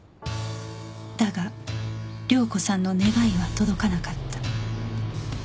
だが涼子さんの願いは届かなかった